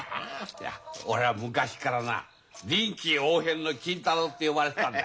いやおらあ昔からな臨機応変の金太郎って呼ばれてたんだ。